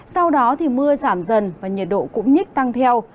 sau đó thì mưa giảm dần và nhiệt độ cũng nhích tăng theo